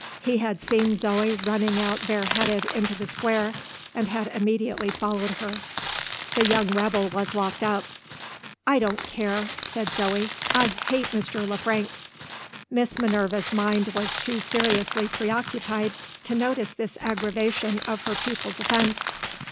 He had seen Zo running out bare headed into the Square, and had immediately followed her. The young rebel was locked up. "I don't care," said Zo; "I hate Mr. Le Frank!" Miss Minerva's mind was too seriously preoccupied to notice this aggravation of her pupil's offence.